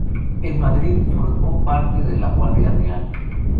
En Madrid formó parte de la Guardia Real.